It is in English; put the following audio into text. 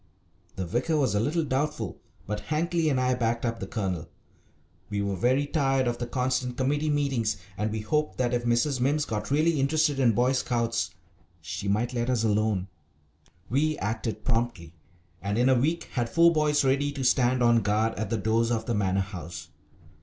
The vicar was a little doubtful, but Hankly and I backed up the Colonel. We were very tired of the constant committee meetings, and we hoped that if Mrs. Mimms got really interested in Boy Scouts she might let us alone. We acted promptly, and in a week had four boys ready to stand on guard at the doors of the Manor House.